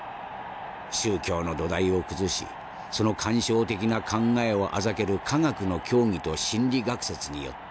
宗教の土台を崩しその感傷的な考えを嘲る科学の教義と心理学説によって。